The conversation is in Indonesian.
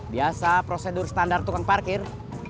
biasa prosedur standar tukang parkir